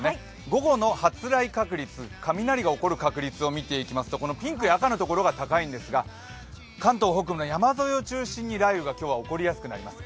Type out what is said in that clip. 午後の発雷確率、雷が起こる確率を見ていただきますとピンクや赤のところが高いんですが、関東北部の山沿いを中心に今日は雷雨が起こりやすくなります。